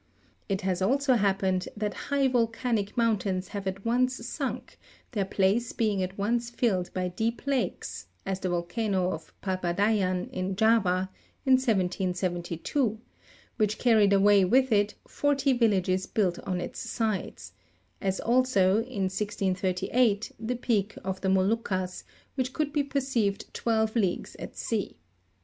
It has also happened that high volcanic mountains have at once sunk, their place being at once filled by deep lakes, as the volcano of Papadayann in Java, in 1772, which carried away with it forty villages built on its sides : as also, in 1638, the peak of the Moluccas, which could be perceived twelve leagues at sea.